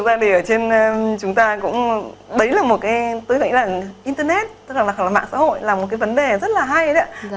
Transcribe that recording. vâng thực ra thì ở trên chúng ta cũng đấy là một cái tư vĩnh là internet tức là mạng xã hội là một cái vấn đề rất là hay đấy ạ